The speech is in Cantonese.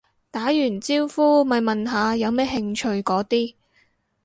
打完招呼咪問下有咩興趣嗰啲